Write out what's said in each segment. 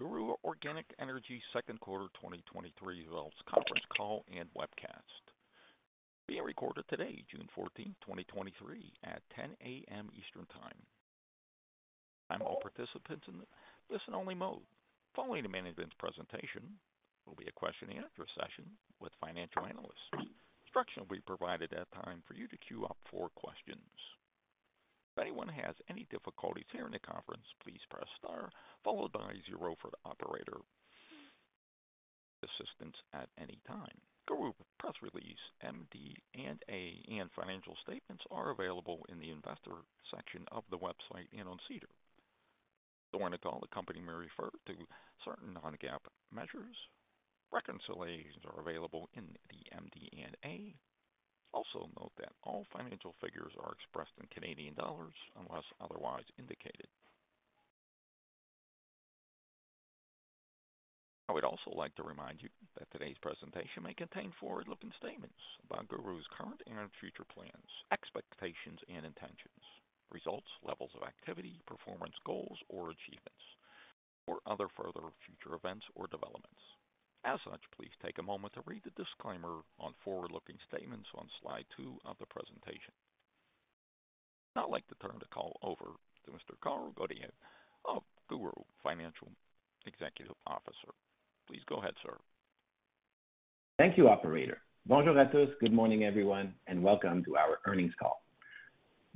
Welcome to the GURU Organic Energy second quarter 2023 results conference call and webcast, being recorded today, June 14th, 2023 at 10:00 A.M. Eastern Time. At all participants in listen-only mode. Following the management's presentation, will be a question and answer session with financial analysts. Instruction will be provided at time for you to queue up for questions. If anyone has any difficulties hearing the conference, please press star, followed by zero for the operator, assistance at any time. GURU press release, MD & A, and financial statements are available in the investor section of the website and on SEDAR+. During the call, the company may refer to certain non-GAAP measures. Reconciliations are available in the MD & A. Also note that all financial figures are expressed in Canadian dollars unless otherwise indicated. I would also like to remind you that today's presentation may contain forward-looking statements about GURU's current and future plans, expectations and intentions, results, levels of activity, performance goals or achievements, or other further future events or developments. Please take a moment to read the disclaimer on forward-looking statements on slide two of the presentation. I'd like to turn the call over to Mr. Carl Goyette of GURU, Financial Executive Officer. Please go ahead, sir. Thank you, operator. Bonjour a tous. Good morning, everyone, and welcome to our earnings call.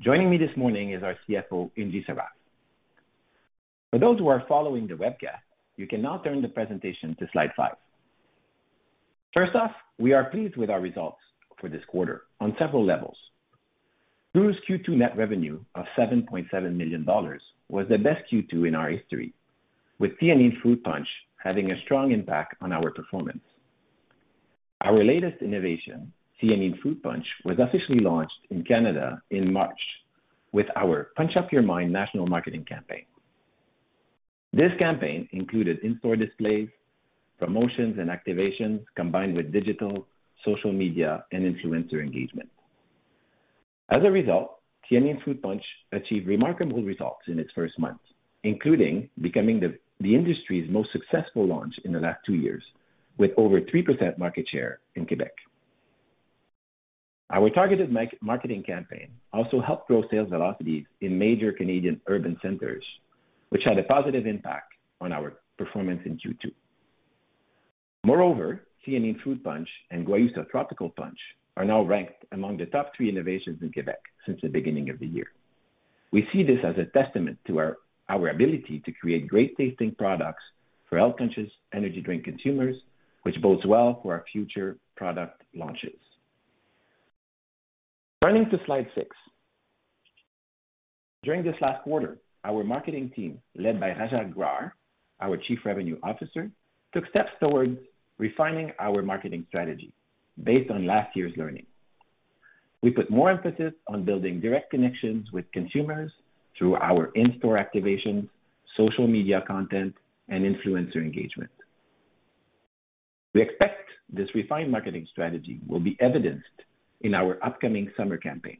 Joining me this morning is our CFO, Ingy Sarraf. For those who are following the webcast, you can now turn the presentation to slide 5. First off, we are pleased with our results for this quarter on several levels. GURU's Q2 net revenue of 7.7 million dollars was the best Q2 in our history, with Theanine Fruit Punch having a strong impact on our performance. Our latest innovation, Theanine Fruit Punch, was officially launched in Canada in March with our Punch Up Your Mind national marketing campaign. This campaign included in-store displays, promotions, and activations, combined with digital, social media, and influencer engagement. As a result, Theanine Fruit Punch achieved remarkable results in its first month, including becoming the industry's most successful launch in the last 2 years, with over 3% market share in Quebec. Our targeted marketing campaign also helped grow sales velocities in major Canadian urban centers, which had a positive impact on our performance in Q2. Moreover, Theanine Fruit Punch and Guayusa Tropical Punch are now ranked among the top 3 innovations in Quebec since the beginning of the year. We see this as a testament to our ability to create great-tasting products for health-conscious energy drink consumers, which bodes well for our future product launches. Turning to slide 6. During this last quarter, our marketing team, led by Rajaa Grar, our Chief Revenue Officer, took steps towards refining our marketing strategy based on last year's learning. We put more emphasis on building direct connections with consumers through our in-store activations, social media content, and influencer engagement. We expect this refined marketing strategy will be evidenced in our upcoming summer campaign,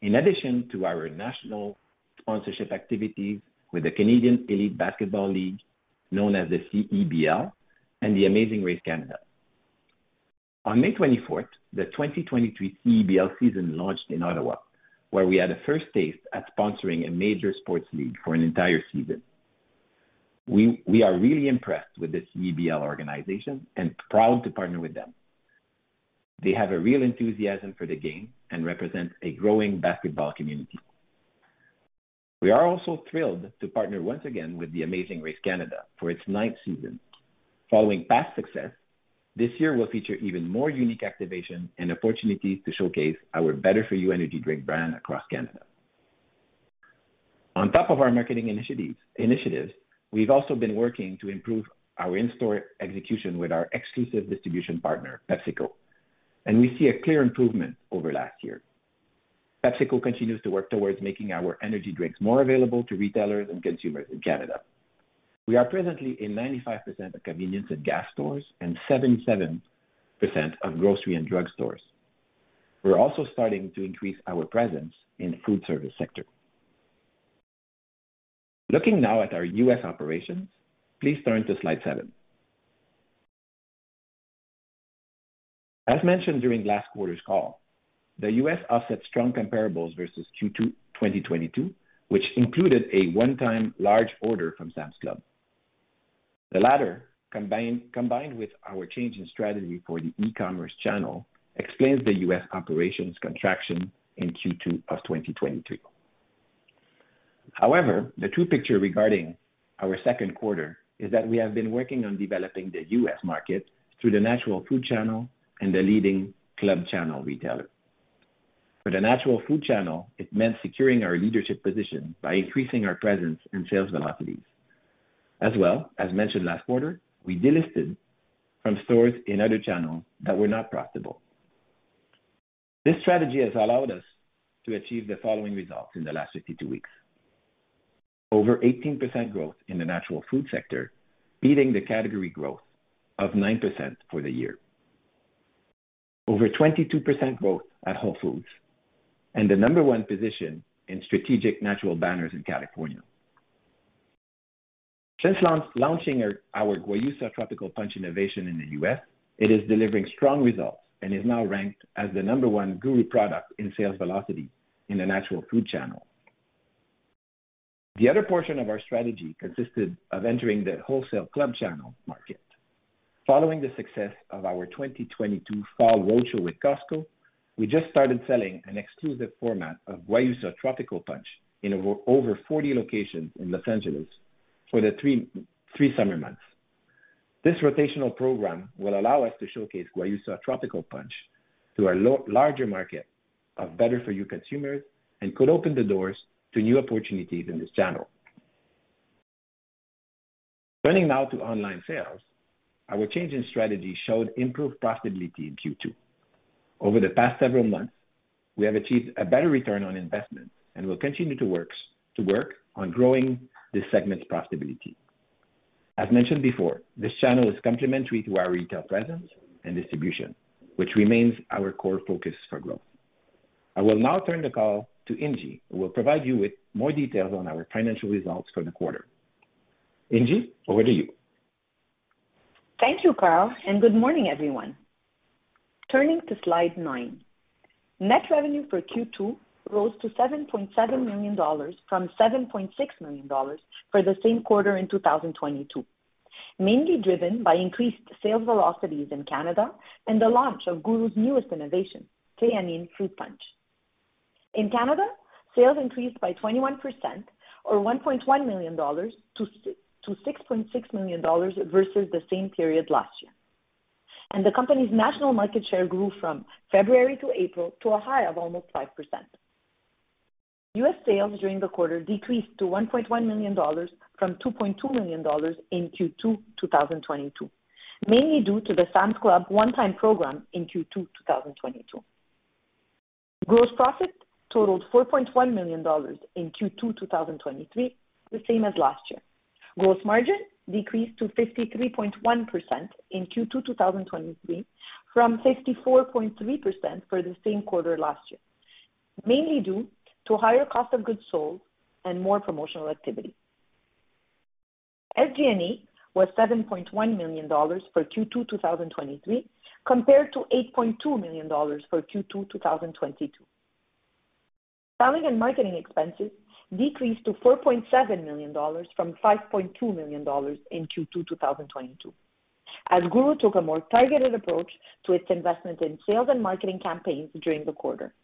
in addition to our national sponsorship activities with the Canadian Elite Basketball League, known as the CEBL, and The Amazing Race Canada. On May 24th, the 2023 CEBL season launched in Ottawa, where we had a first taste at sponsoring a major sports league for an entire season. We are really impressed with the CEBL organization and proud to partner with them. They have a real enthusiasm for the game and represent a growing basketball community. We are also thrilled to partner once again with The Amazing Race Canada for its ninth season. Following past success, this year will feature even more unique activation and opportunities to showcase our Better for You energy drink brand across Canada. On top of our marketing initiatives, we've also been working to improve our in-store execution with our exclusive distribution partner, PepsiCo. We see a clear improvement over last year. PepsiCo continues to work towards making our energy drinks more available to retailers and consumers in Canada. We are presently in 95% of convenience and gas stores and 77% of grocery and drugstores. We're also starting to increase our presence in the food service sector. Looking now at our U.S. operations, please turn to slide 7. As mentioned during last quarter's call, the U.S. offset strong comparables versus Q2 2022, which included a one-time large order from Sam's Club. The latter, combined with our change in strategy for the e-commerce channel, explains the US operations contraction in Q2 of 2022. However, the true picture regarding our second quarter is that we have been working on developing the US market through the natural food channel and the leading club channel retailer. For the natural food channel, it meant securing our leadership position by increasing our presence in sales velocities. As well, as mentioned last quarter, we delisted from stores in other channels that were not profitable. This strategy has allowed us to achieve the following results in the last 52 weeks: Over 18% growth in the natural food sector, beating the category growth of 9% for the year. Over 22% growth at Whole Foods, and the number one position in strategic natural banners in California. Since launching our GURU Guayusa Tropical Punch innovation in the U.S., it is delivering strong results and is now ranked as the number one GURU product in sales velocity in the natural food channel. The other portion of our strategy consisted of entering the wholesale club channel market. Following the success of our 2022 fall roadshow with Costco, we just started selling an exclusive format of GURU Guayusa Tropical Punch in over 40 locations in L.A. for the 3 summer months. This rotational program will allow us to showcase GURU Guayusa Tropical Punch to a larger market of better for you consumers and could open the doors to new opportunities in this channel. Turning now to online sales, our change in strategy showed improved profitability in Q2. Over the past several months, we have achieved a better return on investment and will continue to work on growing this segment's profitability. As mentioned before, this channel is complementary to our retail presence and distribution, which remains our core focus for growth. I will now turn the call to Ingy, who will provide you with more details on our financial results for the quarter. Ingy, over to you. Thank you, Carl. Good morning, everyone. Turning to slide nine. Net revenue for Q2 rose to 7.7 million dollars from 7.6 million dollars for the same quarter in 2022, mainly driven by increased sales velocities in Canada and the launch of GURU's newest innovation, Guarana Fruit Punch. In Canada, sales increased by 21%, or 1.1 million dollars, to 6.6 million dollars versus the same period last year. The company's national market share grew from February to April to a high of almost 5%. U.S. sales during the quarter decreased to $1.1 million from $2.2 million in Q2 2022, mainly due to the Sam's Club one-time program in Q2 2022. Gross profit totaled 4.1 million dollars in Q2 2023, the same as last year. Gross margin decreased to 53.1% in Q2 2023 from 54.3% for the same quarter last year, mainly due to higher cost of goods sold and more promotional activity. SG&A was 7.1 million dollars for Q2 2023 compared to 8.2 million dollars for Q2 2022. Selling and marketing expenses decreased to 4.7 million dollars from 5.2 million dollars in Q2 2022 as GURU took a more targeted approach to its investment in sales and marketing campaigns during the quarter.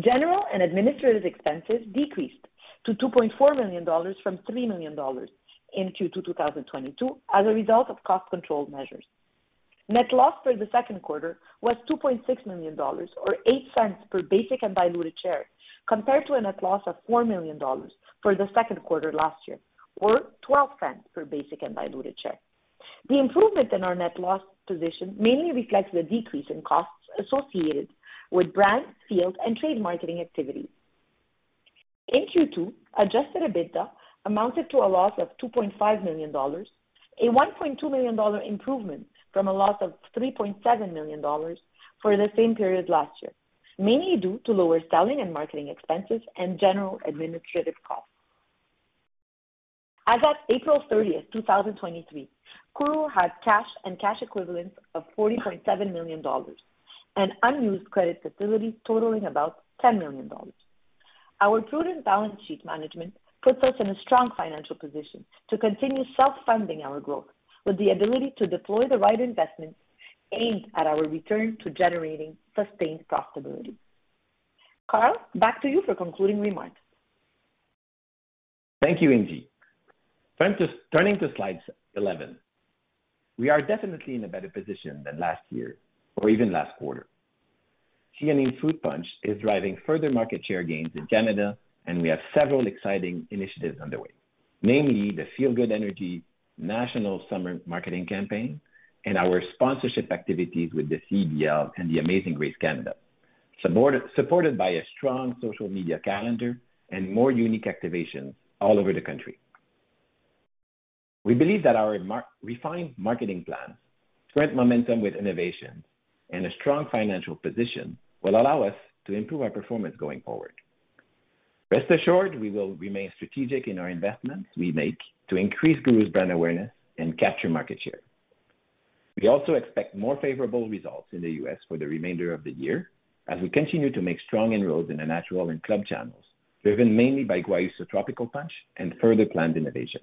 General and administrative expenses decreased to 2.4 million dollars from 3 million dollars in Q2 2022 as a result of cost control measures. Net loss for the second quarter was 2.6 million dollars, or 0.08 per basic and diluted share, compared to a net loss of 4 million dollars for the second quarter last year, or 0.12 per basic and diluted share. The improvement in our net loss position mainly reflects the decrease in costs associated with brand, field, and trade marketing activities. In Q2, Adjusted EBITDA amounted to a loss of 2.5 million dollars, a 1.2 million dollar improvement from a loss of 3.7 million dollars for the same period last year, mainly due to lower selling and marketing expenses and general administrative costs. As of April 30th, 2023, GURU had cash and cash equivalents of 40.7 million dollars and unused credit facilities totaling about 10 million dollars. Our prudent balance sheet management puts us in a strong financial position to continue self-funding our growth, with the ability to deploy the right investments aimed at our return to generating sustained profitability. Carl, back to you for concluding remarks. Thank you, Ingy. Turning to slide eleven, we are definitely in a better position than last year or even last quarter. Guarana Fruit Punch is driving further market share gains in Canada. We have several exciting initiatives underway, namely the Feel Good Energy National Summer Marketing Campaign and our sponsorship activities with the CEBL and The Amazing Race Canada, supported by a strong social media calendar and more unique activations all over the country. We believe that our refined marketing plan, strength momentum with innovation, and a strong financial position will allow us to improve our performance going forward. Rest assured, we will remain strategic in our investments we make to increase GURU's brand awareness and capture market share. We also expect more favorable results in the US for the remainder of the year as we continue to make strong inroads in the natural and club channels, driven mainly by Guayusa Tropical Punch and further planned innovation.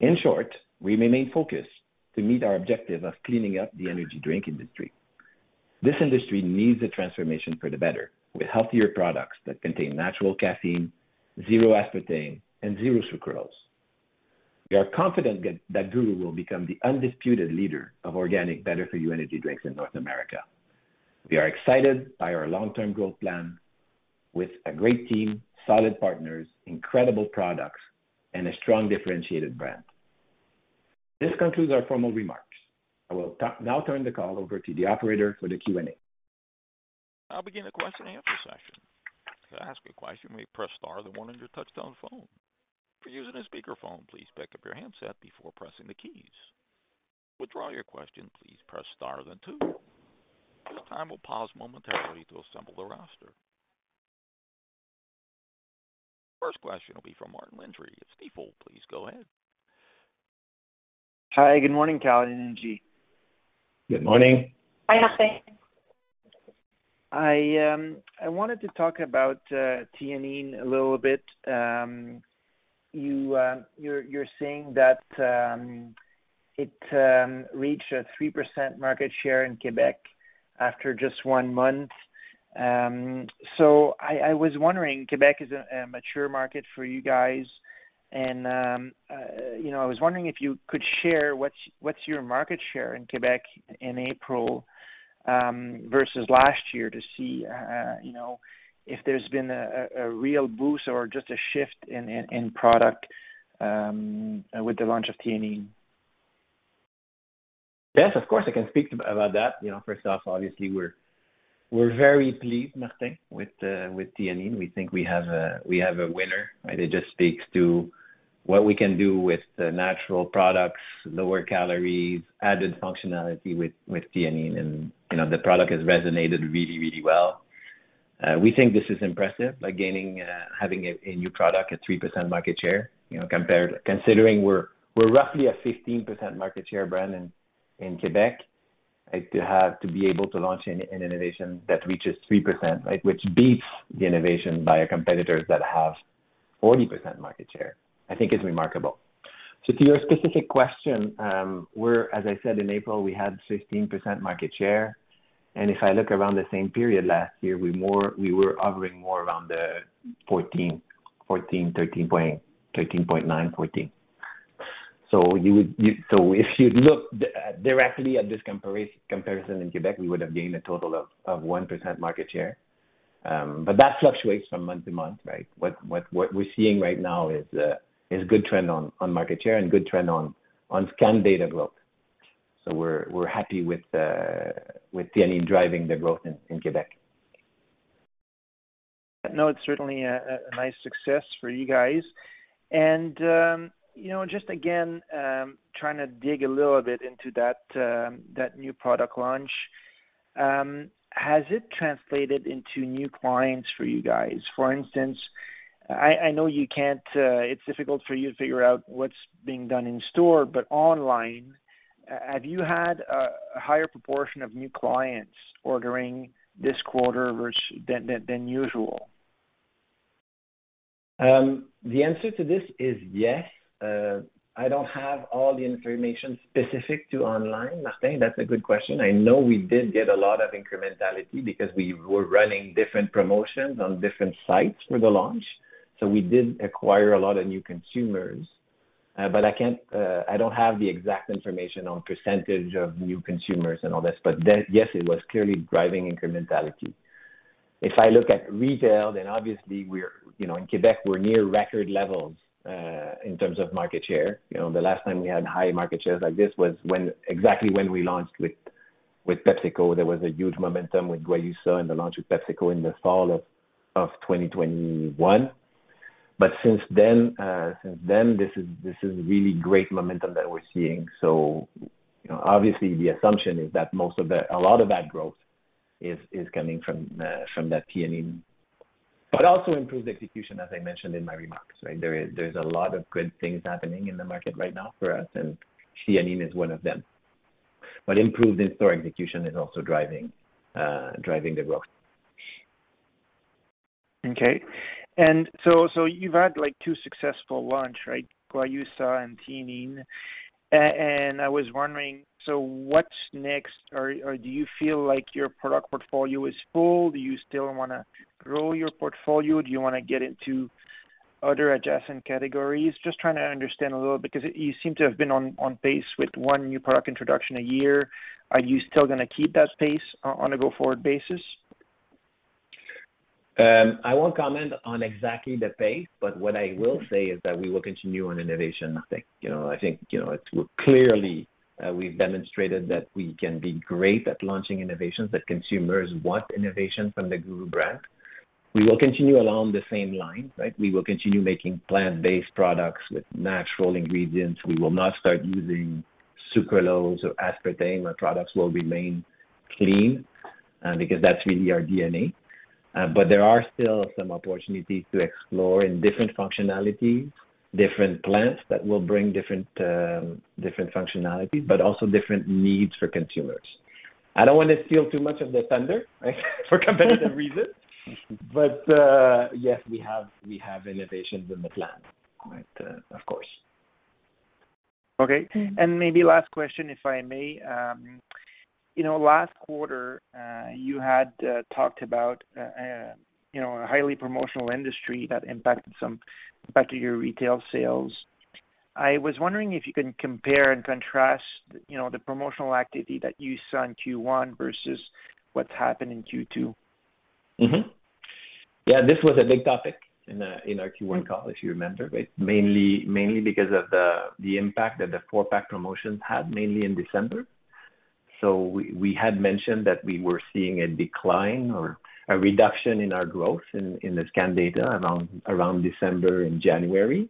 In short, we remain focused to meet our objective of cleaning up the energy drink industry. This industry needs a transformation for the better, with healthier products that contain natural caffeine, zero aspartame, and zero sucralose. We are confident that GURU will become the undisputed leader of organic, better for you energy drinks in North America. We are excited by our long-term growth plan with a great team, solid partners, incredible products, and a strong, differentiated brand. This concludes our formal remarks. I will now turn the call over to the operator for the Q&A. I'll begin the question and answer session. To ask a question, you may press star, then one on your touchtone phone. If you're using a speakerphone, please pick up your handset before pressing the keys. To withdraw your question, please press star then two. At this time, we'll pause momentarily to assemble the roster. First question will be from Martin Landry at Stifel. Please go ahead. Hi, good morning, Carl and Ingy. Good morning. Hi, Martin. I wanted to talk about theanine a little bit. You're saying that it reached a 3% market share in Quebec after just 1 month. I was wondering, Quebec is a mature market for you guys, and you know, I was wondering if you could share what's your market share in Quebec in April versus last year to see, you know, if there's been a real boost or just a shift in product with the launch of theanine? Yes, of course, I can speak about that. You know, first off, obviously, we're very pleased, Martin, with theanine. We think we have a winner, and it just speaks to what we can do with the natural products, lower calories, added functionality with theanine, and, you know, the product has resonated really well. We think this is impressive, like, gaining having a new product, a 3% market share, you know, considering we're roughly a 15% market share brand in Quebec, like, to be able to launch an innovation that reaches 3%, right? Which beats the innovation by our competitors that have 40% market share, I think is remarkable. To your specific question, we're, as I said, in April, we had 15% market share, and if I look around the same period last year, we were hovering more around the 14%, 14%, 13.9%, 14%. If you look directly at this comparison in Quebec, we would have gained a total of 1% market share. That fluctuates from month to month, right? What we're seeing right now is good trend on market share and good trend on scan data growth. We're happy with theanine driving the growth in Quebec. No, it's certainly a nice success for you guys. You know, just again, trying to dig a little bit into that new product launch, has it translated into new clients for you guys? For instance, I know you can't... It's difficult for you to figure out what's being done in store, but online, have you had a higher proportion of new clients ordering this quarter versus, than usual? The answer to this is yes. I don't have all the information specific to online, Martin. That's a good question. I know we did get a lot of incrementality because we were running different promotions on different sites for the launch, so we did acquire a lot of new consumers. I can't, I don't have the exact information on percentage of new consumers and all this, yes, it was clearly driving incrementality. If I look at retail, obviously we're, you know, in Quebec, we're near record levels in terms of market share. You know, the last time we had high market shares like this was when exactly when we launched with PepsiCo. There was a huge momentum with Guayusa and the launch with PepsiCo in the fall of 2021. Since then, this is really great momentum that we're seeing. You know, obviously the assumption is that a lot of that growth is coming from that theanine, but also improved execution, as I mentioned in my remarks, right? There's a lot of good things happening in the market right now for us, and theanine is one of them. Improved in-store execution is also driving the growth. Okay. You've had, like, 2 successful launch, right? guayusa and theanine. I was wondering, what's next? Do you feel like your product portfolio is full? Do you still wanna grow your portfolio? Do you wanna get into other adjacent categories? Just trying to understand a little, because you seem to have been on pace with 1 new product introduction a year. Are you still gonna keep that pace on a go-forward basis? I won't comment on exactly the pace, but what I will say is that we will continue on innovation, I think. You know, I think, you know, it's clearly, we've demonstrated that we can be great at launching innovations, that consumers want innovation from the GURU brand. We will continue along the same lines, right? We will continue making plant-based products with natural ingredients. We will not start using sucralose or aspartame. Our products will remain clean, because that's really our DNA. There are still some opportunities to explore in different functionalities, different plants that will bring different functionalities, but also different needs for consumers. I don't want to steal too much of the thunder, for competitive reasons, but, yes, we have, we have innovations in the plan, but, of course. Okay. Maybe last question, if I may. You know, last quarter, you had talked about, you know, a highly promotional industry that impacted your retail sales. I was wondering if you can compare and contrast, you know, the promotional activity that you saw in Q1 versus what's happened in Q2. Yeah, this was a big topic in our Q1 call, if you remember, right? Mainly because of the impact that the 4-pack promotions had, mainly in December. We had mentioned that we were seeing a decline or a reduction in our growth in the scan data around December and January.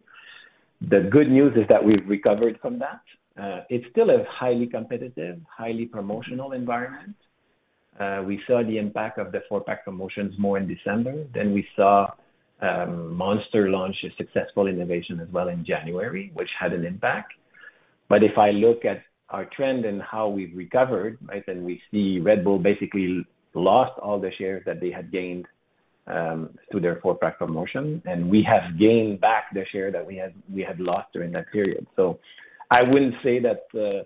The good news is that we've recovered from that. It's still a highly competitive, highly promotional environment. We saw the impact of the 4-pack promotions more in December than we saw Monster launch a successful innovation as well in January, which had an impact. If I look at our trend and how we've recovered, right, then we see Red Bull basically lost all the shares that they had gained through their 4-pack promotion, and we have gained back the share that we had lost during that period. I wouldn't say that the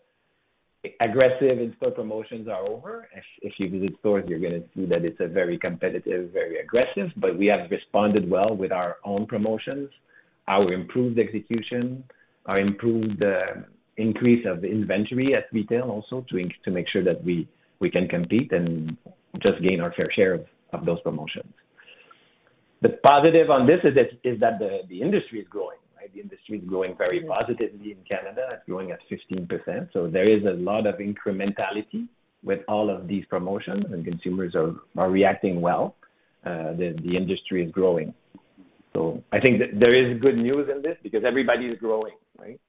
aggressive in-store promotions are over. If you visit stores, you're gonna see that it's a very competitive, very aggressive, but we have responded well with our own promotions, our improved execution, our improved increase of inventory at retail, also to make sure that we can compete and just gain our fair share of those promotions. The positive on this is that the industry is growing, right? The industry is growing very positively in Canada, it's growing at 15%. There is a lot of incrementality with all of these promotions, and consumers are reacting well. The industry is growing. I think that there is good news in this because everybody is growing, right?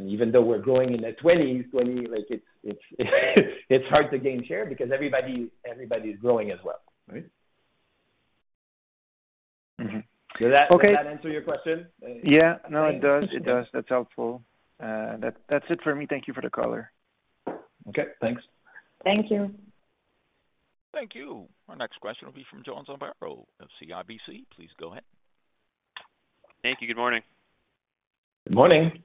Even though we're growing in the 20s, like, it's hard to gain share because everybody is growing as well, right? Mm-hmm. Does that. Okay. Does that answer your question? Yeah. No, it does. It does. That's helpful. That's it for me. Thank you for the call. Okay, thanks. Thank you. Thank you. Our next question will be from John Zamparo of CIBC. Please go ahead. Thank you. Good morning. Good morning. Hi,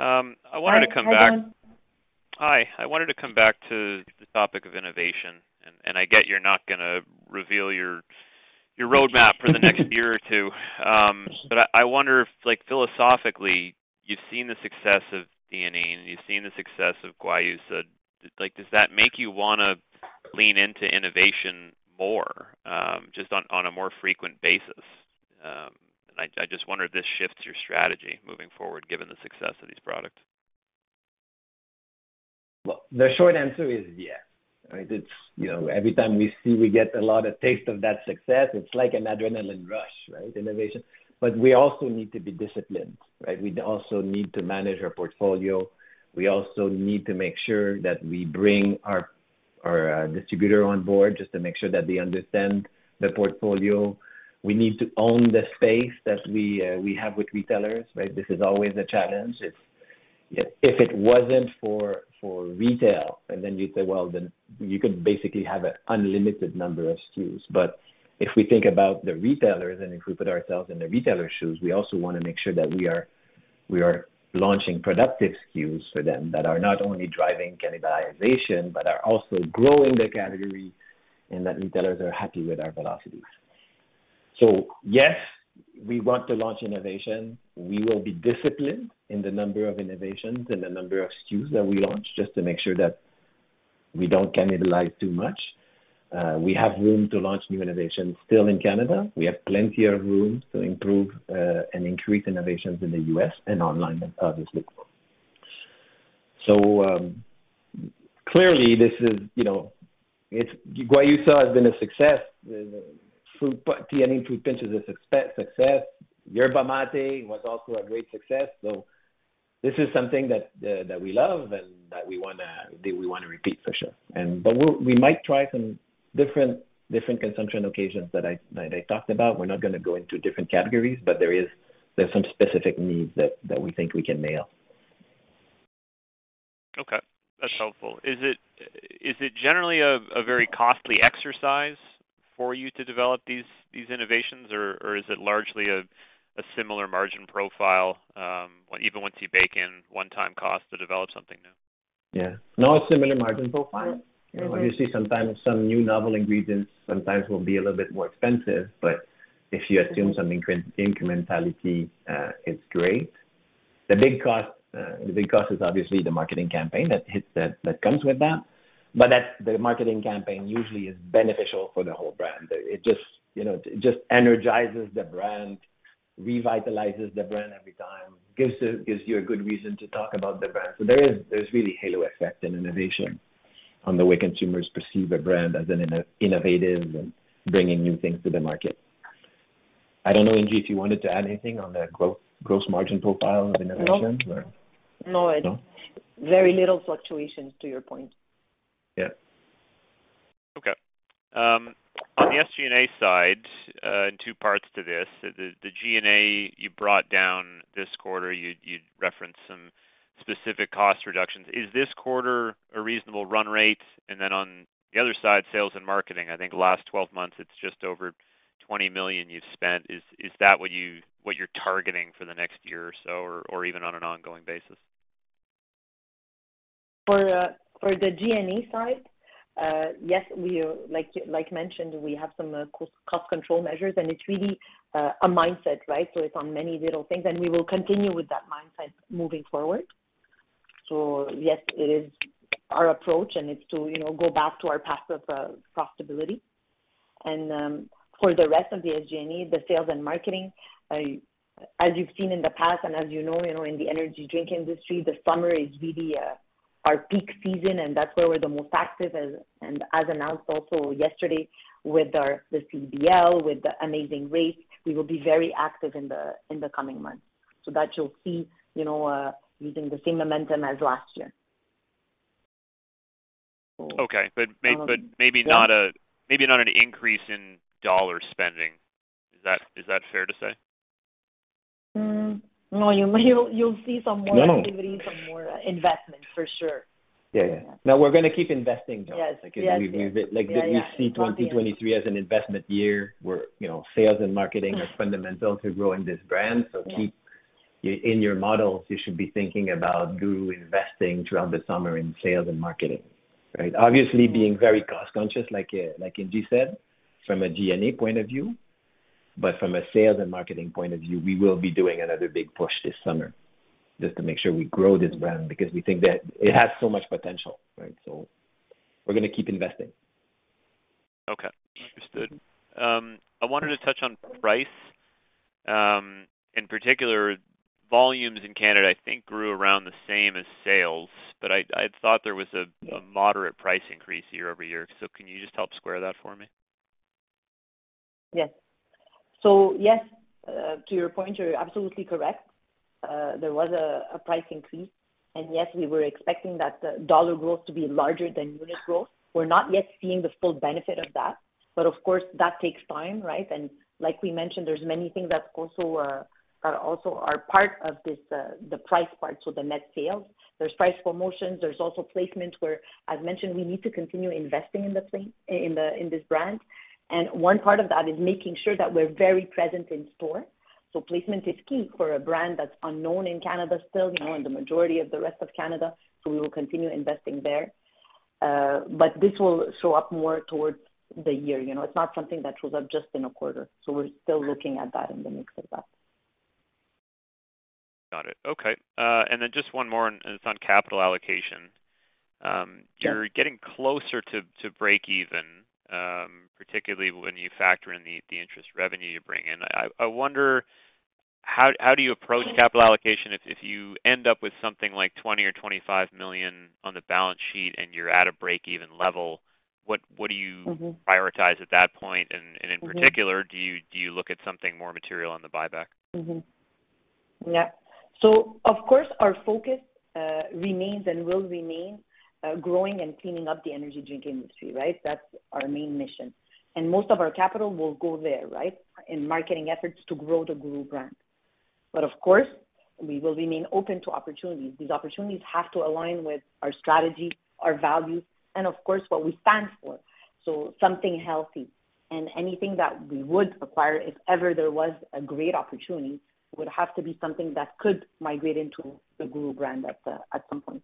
John. I wanted to come back. Hi. I wanted to come back to the topic of innovation, and I get you're not gonna reveal your roadmap for the next year or two. I wonder if, like, philosophically, you've seen the success of tea and you've seen the success of guayusa, like, does that make you wanna lean into innovation more, just on a more frequent basis? I just wonder if this shifts your strategy moving forward, given the success of these products. Well, the short answer is yes. Right, it's, you know, every time we see, we get a lot of taste of that success, it's like an adrenaline rush, right? Innovation. We also need to be disciplined, right? We also need to manage our portfolio. We also need to make sure that we bring our distributor on board, just to make sure that they understand the portfolio. We need to own the space that we have with retailers, right? This is always a challenge. If, if it wasn't for retail, and then you'd say, well, then you could basically have an unlimited number of SKUs. If we think about the retailers and if we put ourselves in the retailers' shoes, we also want to make sure that we are launching productive SKUs for them that are not only driving cannibalization, but are also growing the category, and that retailers are happy with our velocities. Yes, we want to launch innovation. We will be disciplined in the number of innovations and the number of SKUs that we launch, just to make sure that we don't cannibalize too much. We have room to launch new innovations still in Canada. We have plenty of room to improve and increase innovations in the US and online, obviously. Clearly, this is, you know, it's guayusa has been a success, fruit, tea and fruit punch is a success. Yerba Mate was also a great success. This is something that we love and that we wanna repeat for sure. We might try some different consumption occasions that I talked about. We're not gonna go into different categories. There are some specific needs that we think we can nail. Okay. That's helpful. Is it generally a very costly exercise for you to develop these innovations or is it largely a similar margin profile, even once you bake in one-time costs to develop something new? Yeah. No, similar margin profile. Obviously, sometimes some new novel ingredients sometimes will be a little bit more expensive, but if you assume some incrementality, it's great. The big cost is obviously the marketing campaign that hits that comes with that. That's, the marketing campaign usually is beneficial for the whole brand. It just, you know, it just energizes the brand, revitalizes the brand every time, gives you a good reason to talk about the brand. There is, there's really halo effect in innovation on the way consumers perceive a brand as an innovative and bringing new things to the market. I don't know, Ingy, if you wanted to add anything on the gross margin profile of innovation? No. No? Very little fluctuations to your point. Yeah. Okay. On the SG&A side, in two parts to this, the G&A, you brought down this quarter, you referenced some specific cost reductions. Is this quarter a reasonable run rate? On the other side, sales and marketing, I think the last 12 months, it's just over 20 million you've spent. Is that what you're targeting for the next year or so, or even on an ongoing basis? For, for the G&A side, yes, we like mentioned, we have some cost control measures, and it's really a mindset, right? It's on many little things, and we will continue with that mindset moving forward. Yes, it is our approach, and it's to, you know, go back to our path of profitability. For the rest of the SG&A, the sales and marketing, I, as you've seen in the past, and as you know, you know, in the energy drink industry, the summer is really our peak season, and that's where we're the most active. As announced also yesterday, with our, the CTV, with The Amazing Race, we will be very active in the coming months, so that you'll see, you know, using the same momentum as last year. Okay. Um. Maybe not an increase in dollar spending. Is that fair to say? No, you'll see some more. No activity, some more investment for sure. Yeah, yeah. We're gonna keep investing, though. Yes. Yes. Like, we, like we see 2023 as an investment year, where, you know, sales and marketing are fundamental to growing this brand. Yeah. Keep, in your models, you should be thinking about GURU investing throughout the summer in sales and marketing, right? Obviously, being very cost conscious, like Ingy said, from a G&A point of view. From a sales and marketing point of view, we will be doing another big push this summer, just to make sure we grow this brand, because we think that it has so much potential, right? We're gonna keep investing. Okay. Understood. I wanted to touch on price. In particular, volumes in Canada, I think, grew around the same as sales, but I'd thought there was a moderate price increase year-over-year. Can you just help square that for me? Yes, to your point, you're absolutely correct. There was a price increase, and yes, we were expecting that dollar growth to be larger than unit growth. We're not yet seeing the full benefit of that, but of course, that takes time, right? Like we mentioned, there's many things that also are part of this, the price part, so the net sales. There's price promotions, there's also placement, where I've mentioned we need to continue investing in the, in this brand. One part of that is making sure that we're very present in store. Placement is key for a brand that's unknown in Canada still, you know, and the majority of the rest of Canada, so we will continue investing there. This will show up more towards the year, you know, it's not something that shows up just in a quarter, so we're still looking at that in the mix of that. Got it. Okay. Just one more, and it's on capital allocation. Yeah. You're getting closer to break even, particularly when you factor in the interest revenue you bring in. I wonder, how do you approach capital allocation if you end up with something like 20 or 25 million on the balance sheet and you're at a break-even level. Mm-hmm... prioritize at that point? Mm-hmm. In particular, do you look at something more material on the buyback? Yeah. Of course, our focus remains and will remain growing and cleaning up the energy drink industry, right? That's our main mission. Most of our capital will go there, right? In marketing efforts to grow the GURU brand. Of course, we will remain open to opportunities. These opportunities have to align with our strategy, our values, and of course, what we stand for. Something healthy, and anything that we would acquire, if ever there was a great opportunity, would have to be something that could migrate into the GURU brand at some point.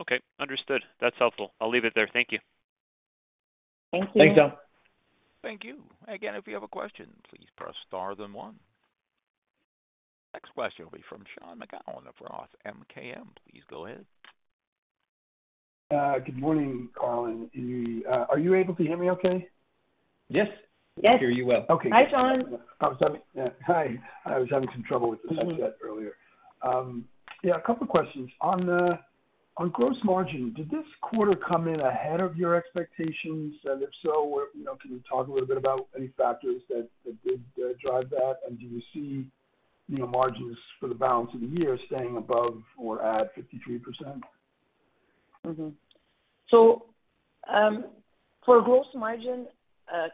Okay, understood. That's helpful. I'll leave it there. Thank you. Thank you. Thanks, John Thank you. Again, if you have a question, please press star then one. Next question will be from Sean McGowan of ROTH MKM. Please go ahead. Good morning, Carl Goyette. Are you able to hear me okay? Yes. Yes. We can hear you well. Okay. Hi, Sean. I'm sorry. Yeah, hi. I was having some trouble with this earlier. Yeah, a couple questions. On the, on gross margin, did this quarter come in ahead of your expectations? If so, where, you know, can you talk a little bit about any factors that did drive that? Do you see, you know, margins for the balance of the year staying above or at 53%? For gross margin, it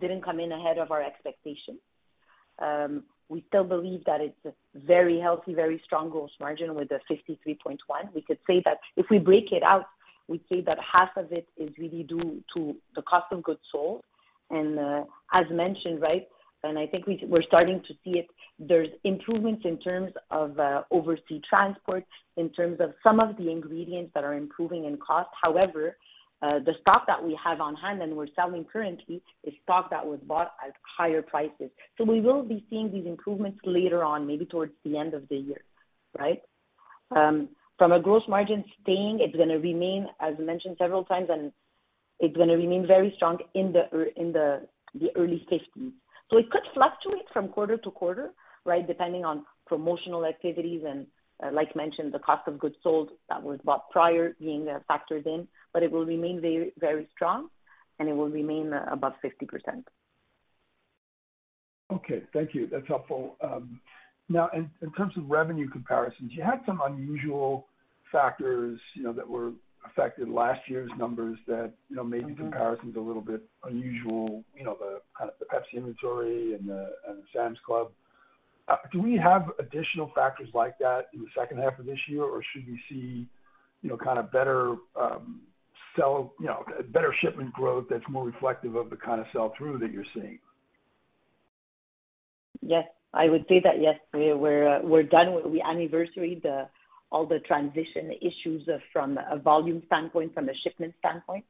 didn't come in ahead of our expectations. We still believe that it's a very healthy, very strong gross margin with a 53.1%. We could say that if we break it out, we'd say that half of it is really due to the cost of goods sold. As mentioned, right, and I think we're starting to see it, there's improvements in terms of oversea transport, in terms of some of the ingredients that are improving in cost. However, the stock that we have on hand and we're selling currently, is stock that was bought at higher prices. We will be seeing these improvements later on, maybe towards the end of the year, right? From a gross margin staying, it's gonna remain, as mentioned several times, and it's gonna remain very strong in the early 50s. It could fluctuate from quarter to quarter, right? Depending on promotional activities and, like mentioned, the cost of goods sold that were bought prior being factored in, it will remain very, very strong, and it will remain above 50%. Okay. Thank you. That's helpful. Now in terms of revenue comparisons, you had some unusual factors, you know, that were affecting last year's numbers that, you know. Mm-hmm... maybe comparisons a little bit unusual, you know, the kind of the PepsiCo inventory and the, and the Sam's Club. Do we have additional factors like that in the second half of this year, or should we see, you know, kind of better, sell, you know, better shipment growth that's more reflective of the kind of sell-through that you're seeing? Yes, I would say that, yes, we're done with the anniversary, all the transition issues from a volume standpoint, from a shipment standpoint.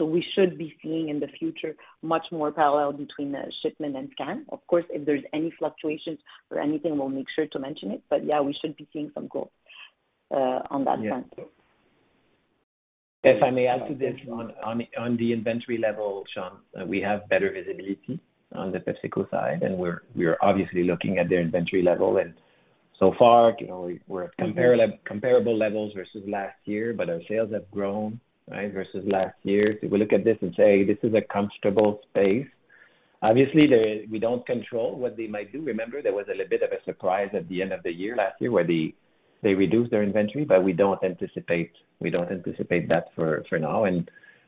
We should be seeing, in the future, much more parallel between the shipment and scan. Of course, if there's any fluctuations or anything, we'll make sure to mention it. Yeah, we should be seeing some growth on that front. If I may add to this one, on the inventory level, Sean, we have better visibility on the PepsiCo side, we are obviously looking at their inventory level. So far, you know, we are at comparable levels versus last year, our sales have grown, right, versus last year. We look at this and say, this is a comfortable space. Obviously, we don't control what they might do. Remember, there was a little bit of a surprise at the end of the year last year, where they reduced their inventory, we don't anticipate that for now.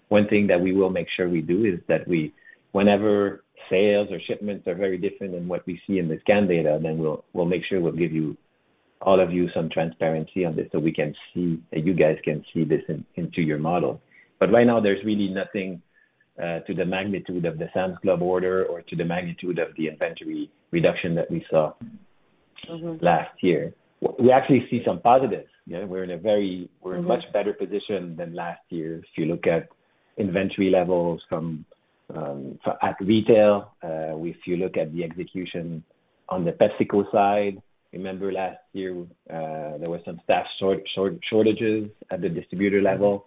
One thing that we will make sure we do, is that we whenever sales or shipments are very different than what we see in the scan data, then we'll make sure we'll give you, all of you some transparency on this, so that you guys can see this into your model. Right now, there's really nothing to the magnitude of the Sam's Club order or to the magnitude of the inventory reduction that we saw. Mm-hmm... last year. We actually see some positives. Yeah, we're in a very- Mm-hmm. We're in a much better position than last year. If you look at inventory levels from at retail, if you look at the execution on the PepsiCo side, remember last year, there were some staff shortages at the distributor level,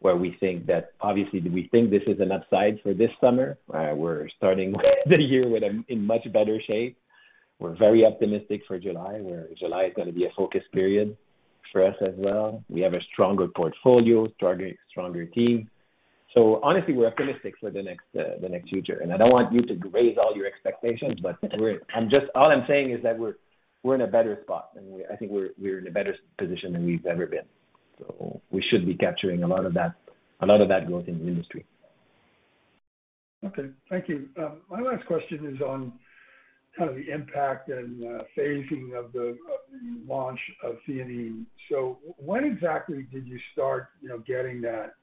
where we think that obviously, we think this is an upside for this summer. We're starting the year in much better shape. We're very optimistic for July, where July is gonna be a focus period for us as well. We have a stronger portfolio, stronger team. Honestly, we're optimistic for the next future. I don't want you to raise all your expectations, but All I'm saying is that we're in a better spot, and I think we're in a better position than we've ever been. We should be capturing a lot of that, a lot of that growth in the industry. Okay, thank you. My last question is on kind of the impact and phasing of the launch of Theanine. When exactly did you start, you know, getting that?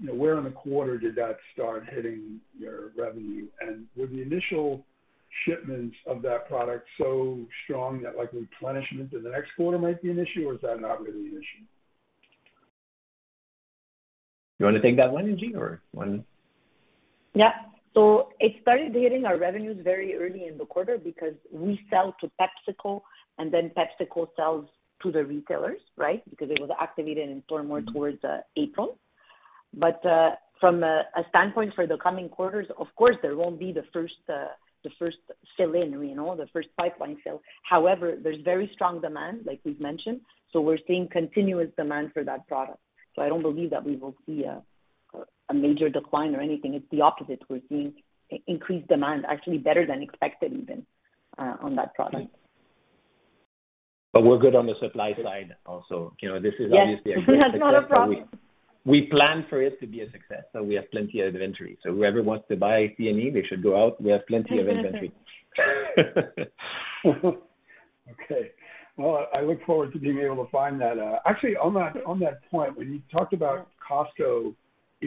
You know, where in the quarter did that start hitting your revenue? Were the initial shipments of that product so strong that, like, replenishment in the next quarter might be an issue, or is that not really an issue? You wanna take that one, Ingy, or one? It started hitting our revenues very early in the quarter, because we sell to PepsiCo, and then PepsiCo sells to the retailers, right? Because it was activated in store more towards April. From a standpoint for the coming quarters, of course, there won't be the first, the first fill-in, you know, the first pipeline fill. However, there's very strong demand, like we've mentioned, so we're seeing continuous demand for that product. I don't believe that we will see a major decline or anything. It's the opposite. We're seeing increased demand, actually better than expected, even on that product. We're good on the supply side also. You know, this is. Yes, it's not a problem. We plan for it to be a success, so we have plenty of inventory. Whoever wants to buy Theanine, they should go out. We have plenty of inventory. I look forward to being able to find that. On that point, when you talked about Costco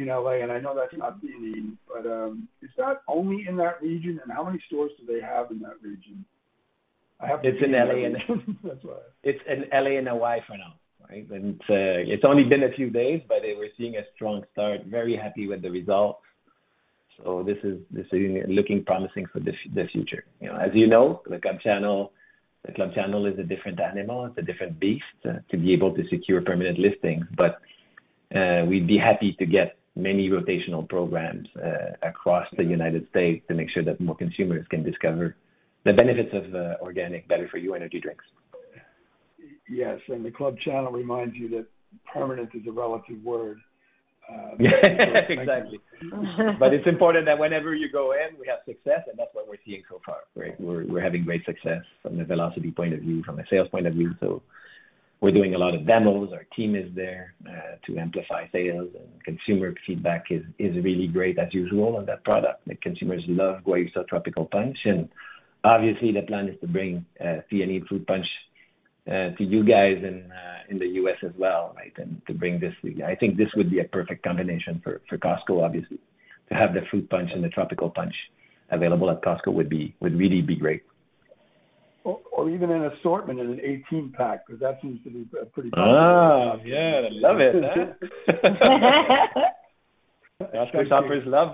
in L.A., and I know that's not Theanine, but, is that only in that region, and how many stores do they have in that region? It's in L.A., and it's in L.A. and Hawaii for now, right? It's only been a few days, but we're seeing a strong start, very happy with the results. This is looking promising for the future. You know, as you know, the club channel is a different animal. It's a different beast to be able to secure permanent listings. We'd be happy to get many rotational programs across the United States to make sure that more consumers can discover the benefits of organic, better for you energy drinks. Yes, the club channel reminds you that permanent is a relative word. Exactly. It's important that whenever you go in, we have success, and that's what we're seeing so far, right? We're having great success from a velocity point of view, from a sales point of view. We're doing a lot of demos. Our team is there to amplify sales. Consumer feedback is really great as usual on that product. The consumers love Guayusa Tropical Punch. Obviously, the plan is to bring Theanine Fruit Punch to you guys in the US as well, right? I think this would be a perfect combination for Costco, obviously, to have the Fruit Punch and the Tropical Punch available at Costco would really be great. Even an assortment in an 18 pack, 'cause that seems to be a pretty- Yeah, love it, huh? Which operators love.